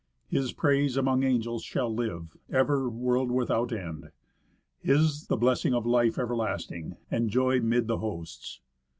His praise among angels shall live, ever, world without end, His the blessing of life everlasting, and joy 'mid the hosts.